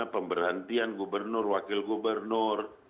pemberhentian gubernur wakil gubernur